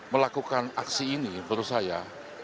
melakukan aksi ini menurut saya